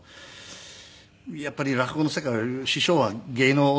やっぱり落語の世界は師匠は芸のお父さん